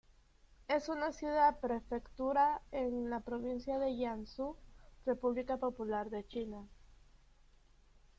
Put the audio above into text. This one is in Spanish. Es una ciudad-prefectura en la provincia de Jiangsu, República Popular de China.